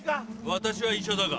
私は医者だが。